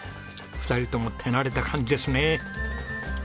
２人とも手慣れた感じですね。